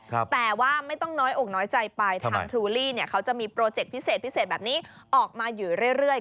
แต่ว่าไม่ต้องน้อยอกน้อยใจไปทางทรูลี่เนี่ยเขาจะมีโปรเจคพิเศษพิเศษแบบนี้ออกมาอยู่เรื่อย